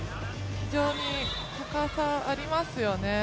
非常に高さがありますよね。